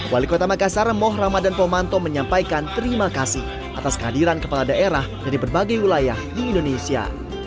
wali kota makassar moh ramadan pomanto menyampaikan terima kasih atas kehadiran kepala daerah dari berbagai wilayah di indonesia